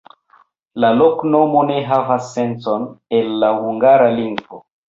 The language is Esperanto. La loknomo ne havas sencon el la hungara lingvo.